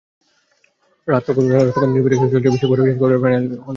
রাত তখন তিনটা পেরিয়ে গেছে, চলছে বিশ্বকাপের শেষ কোয়ার্টার ফাইনালে হল্যান্ড-কোস্টারিকার খেলা।